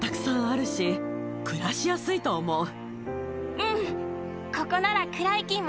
うん。